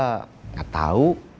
kau beda udah mau gak jalan